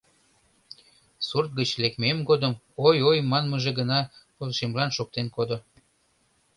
Сурт гыч лекмем годым ой-ой манмыже гына пылышемлан шоктен кодо.